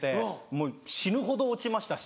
もう死ぬほど落ちましたし。